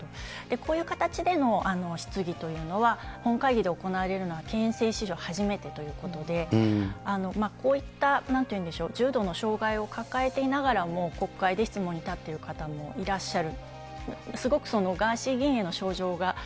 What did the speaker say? こういう形での質疑というのは、本会議で行われるのは憲政史上初めてということで、こういった、なんていうんでしょう、重度の障がいを抱えていながらも国会で質問に立っている方もいらっしゃる。